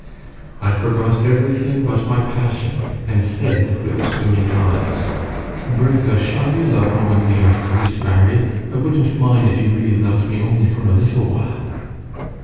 I forgot everything but my passion, and said with swimming eyes "Bertha, shall you love me when we are first married? I wouldn't mind if you really loved me only for a little while."